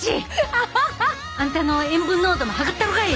アハハ！あんたの塩分濃度も測ったろかい！